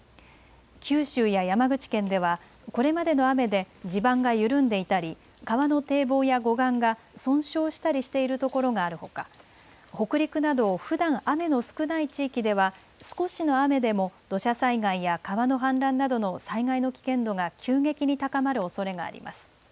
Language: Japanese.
九州や山口県ではこれまでの雨で地盤が緩んでいたり川の堤防や護岸が損傷したりしているところがあるほか北陸など、ふだん雨の少ない地域では少しの雨でも土砂災害や川の氾濫などの災害の危険度が急激に高まるおそれがあります。